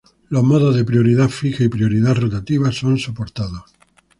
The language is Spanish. Los modos de prioridad fija y prioridad rotativa son soportados.